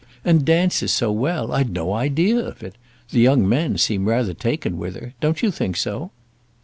"And dances so well! I'd no idea of it. The young men seem rather taken with her. Don't you think so?"